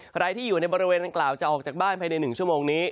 ใครที่อยู่ในบริเวณดังกล่าวจะออกจากบ้านภายใน๑ชั่วโมงนี้